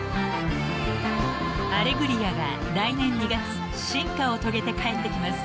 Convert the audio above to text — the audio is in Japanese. ［『アレグリア』が来年２月進化を遂げて帰ってきます］